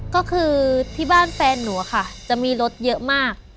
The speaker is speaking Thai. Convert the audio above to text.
ก็คือที่บ้านแฟนหนูค่ะจะมีรถเยอะมาก